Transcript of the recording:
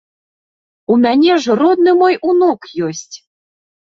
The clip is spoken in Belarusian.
У мяне ж родны мой унук ёсць!